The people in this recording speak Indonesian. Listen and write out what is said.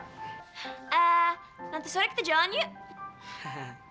nah nanti sore kita jalan yuk